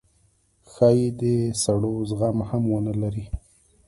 ښايي د سړو زغم هم ونه لرئ